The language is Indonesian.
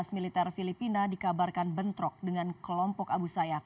militer filipina dikabarkan bentrok dengan kelompok abu sayyaf